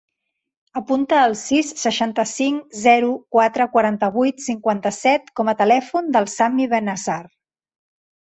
Apunta el sis, seixanta-cinc, zero, quatre, quaranta-vuit, cinquanta-set com a telèfon del Sami Bennasar.